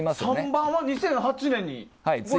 ３番は２００８年。